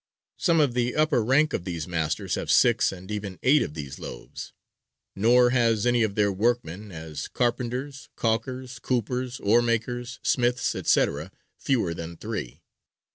Some of the upper rank of these masters have six and even eight of these loaves; nor has any of their workmen, as carpenters, caulkers, coopers, oar makers, smiths, &c., fewer than three.